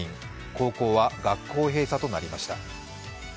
高校は学校閉鎖となりました。